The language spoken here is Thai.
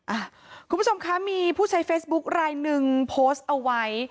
อ่ะคุณผู้ชมคะมีผู้ใช้เฟซบุ๊คลายหนึ่งโพสต์เอาไว้